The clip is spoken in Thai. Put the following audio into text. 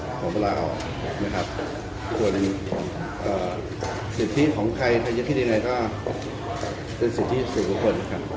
ควรสิทธิของใครถ้าที่จะขึ้นอย่างไรก็เป็นสิทธิศุกรคนนะครับ